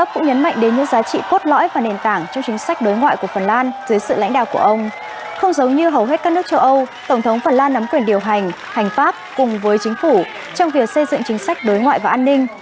không giống như hầu hết các nước châu âu tổng thống phần lan nắm quyền điều hành hành pháp cùng với chính phủ trong việc xây dựng chính sách đối ngoại và an ninh